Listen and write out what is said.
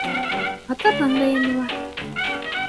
Батырҙың да йәне бар.